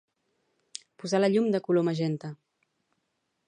Posar la llum de color magenta.